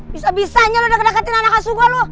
bisa bisanya lo udah kedeketin anak asuh gua lo